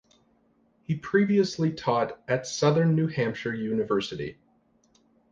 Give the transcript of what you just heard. He previously taught at Southern New Hampshire University.